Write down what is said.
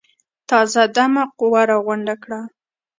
تازه دمه قوه راغونډه کړه.